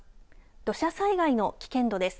土砂災害の危険度です。